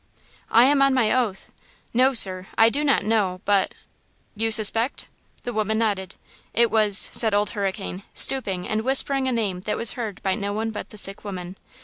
"I am on my oath! No, sir; I do not know, but–" "You suspect?" The woman nodded. "It was–" said old Hurricane, stooping and whispering a name that was heard by no one but the sick woman.